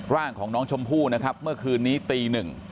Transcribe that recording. ร่างของน้องชมพู่เมื่อคืนนี้ตี๑